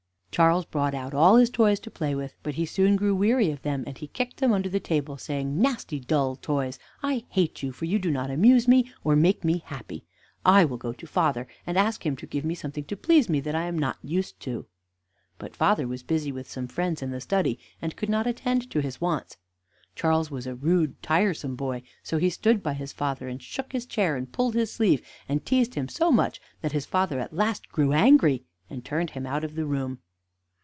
Charles brought out all his toys to play with, but he soon grew weary of them, and he kicked them under the table, saying, "Nasty dull toys, I hate you, for you do not amuse me or make me happy. I will go to father, and ask him to give me something to please me that I am not used to." But father was busy with some friends in the study, and could not attend to his wants. Charles was a rude, tiresome boy; so he stood by his father, and shook his chair, and pulled his sleeve, and teased him so much that his father at last grew angry, and turned him out of the room.